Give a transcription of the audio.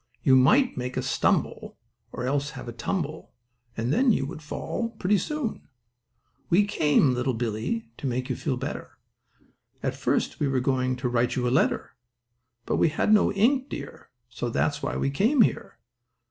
You might make a stumble or else have a tumble, And then you would fall pretty soon. We came, little Billie, to make you feel better. At first we were going to write you a letter; But we had no ink, dear, so that's why we came here.